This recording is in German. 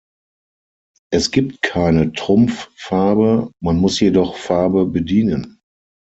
Es gibt keine Trumpffarbe, man muss jedoch Farbe bedienen.